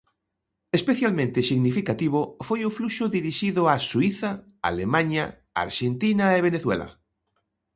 Especialmente significativo foi o fluxo dirixido a Suíza, Alemaña, Arxentina e Venezuela.